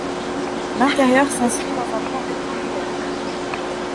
L'intérieur s'inscrit dans un plan rectangulaire.